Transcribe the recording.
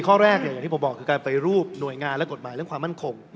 ๔ข้อแรกน่ะที่ผมบอกคือการไปรูปหน่วยงานแล้วกฎหมายก็ความมั่นคง